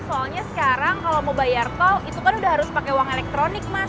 soalnya sekarang kalau mau bayar tol itu kan udah harus pakai uang elektronik mas